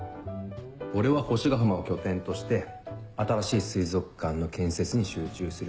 俺は星ヶ浜を拠点として新しい水族館の建設に集中する。